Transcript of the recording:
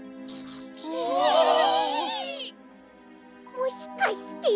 もしかして。